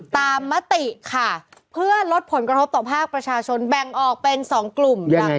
มติค่ะเพื่อลดผลกระทบต่อภาคประชาชนแบ่งออกเป็น๒กลุ่ม